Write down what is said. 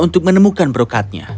untuk menemukan brokatnya